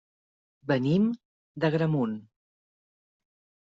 Venim d'Agramunt.